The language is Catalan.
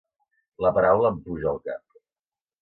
La paraula em puja al cap.